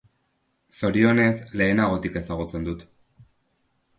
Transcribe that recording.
Zorionez, lehenagotik ezagutzen dut.